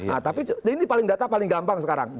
nah tapi ini paling data paling gampang sekarang